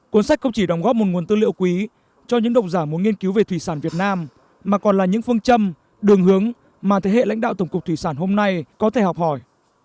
cuốn sách không chỉ đóng góp một nguồn tư liệu quý cho những độc giả muốn nghiên cứu về thủy sản việt nam mà còn là những phương châm đường hướng mà thế hệ lãnh đạo tổng cục thủy sản hôm nay có thể học hỏi